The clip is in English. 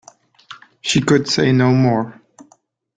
She could say no more.